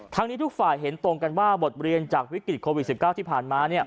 นี้ทุกฝ่ายเห็นตรงกันว่าบทเรียนจากวิกฤตโควิด๑๙ที่ผ่านมา